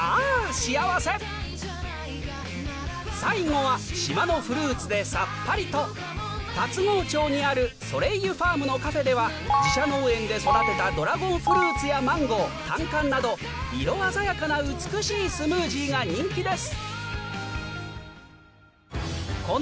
幸せ最後は島のフルーツでサッパリと龍郷町にあるそれいゆふぁむのカフェでは自社農園で育てたドラゴンフルーツやマンゴーたんかんなど色鮮やかな美しいスムージーが人気です